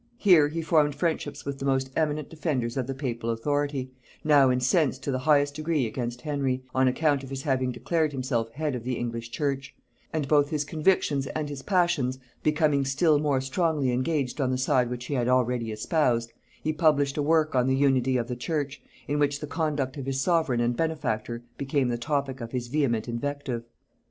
Here he formed friendships with the most eminent defenders of the papal authority, now incensed to the highest degree against Henry, on account of his having declared himself head of the English church; and both his convictions and his passions becoming still more strongly engaged on the side which he had already espoused, he published a work on the unity of the church, in which the conduct of his sovereign and benefactor became the topic of his vehement invective.